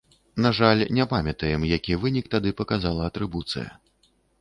На жаль, не памятаем, які вынік тады паказала атрыбуцыя.